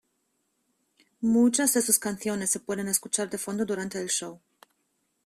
Muchas de sus canciones se pueden escuchar de fondo durante el show.